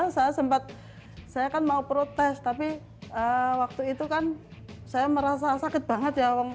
saya sempat saya kan mau protes tapi waktu itu kan saya merasa sakit banget ya